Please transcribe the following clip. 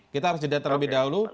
kita harus jeda terlebih dahulu